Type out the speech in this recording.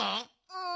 うん。